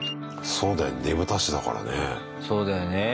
そうだよね。